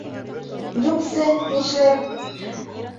— Юҡсы, нишләп!